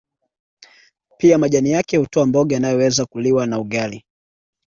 Pia majani yake hutoa mboga inayoweza kuliwa na ugali